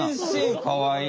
かわいい。